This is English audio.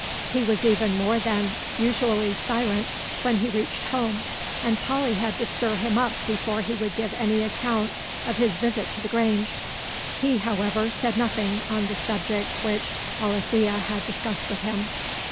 He was even more than usually silent when he reached home, and Polly had to stir him up before he would give any account of his visit to the Grange. He, however, said nothing on the subject which Alethea had discussed with him.